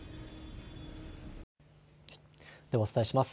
ではお伝えします。